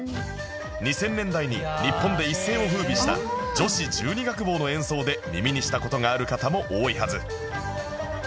２０００年代に日本で一世を風靡した女子十二楽坊の演奏で耳にした事がある方も多いはず